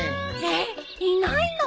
いないの？